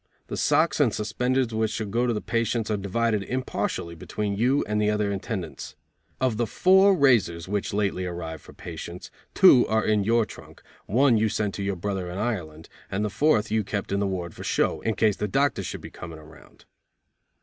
The socks and suspenders which should go to the patients are divided impartially between you and the other attendants. Of the four razors, which lately arrived for patients, two are in your trunk, one you sent to your brother in Ireland, and the fourth you keep in the ward for show, in case the doctor should be coming around."